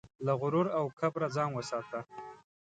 له غرور او کبره ځان وساته.